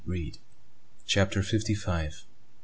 CHAPTER FIFTY FIVE.